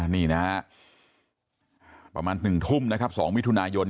นี่นะฮะประมาณ๑ทุ่มนะครับ๒มิถุนายน